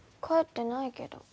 帰ってないけど。